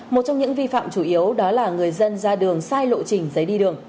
một trong những vi phạm chủ yếu đó là người dân ra đường sai lộ trình giấy đi đường